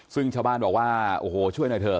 ซึ่งชาวบ้านบอกว่าโอ้โหช่วยหน่อยเถอะ